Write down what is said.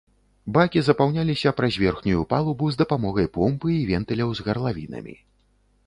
Бакі запаўняліся праз верхнюю палубу з дапамогай помпы і вентыляў з гарлавінамі.